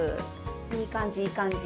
いい感じいい感じ。